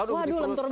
aduh mending kerut